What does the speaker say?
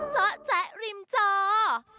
จ๊ะแจ๊ะริมเจ้า